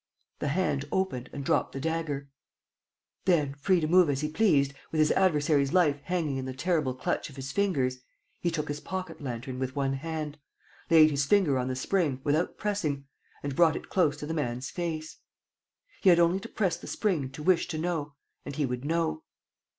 The hand opened and dropped the dagger. Then, free to move as he pleased, with his adversary's life hanging in the terrible clutch of his fingers, he took his pocket lantern with one hand, laid his finger on the spring, without pressing, and brought it close to the man's face. He had only to press the spring to wish to know and he would know.